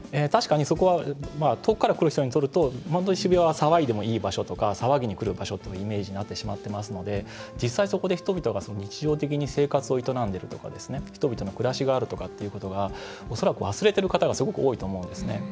確かにそこは遠くから来る人にとると渋谷騒ぎにくる場所っていうイメージになってしまっているので実際に、人々は日常的に生活を営んでいるとか人々の暮らしがあるということが恐らく、忘れている方が多いと思うんですね。